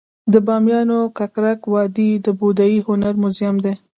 د بامیانو ککرک وادي د بودايي هنر موزیم دی